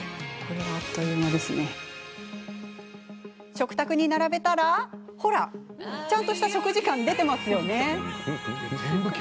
食卓に並べたら、ほらちゃんとした食事感出てますよね。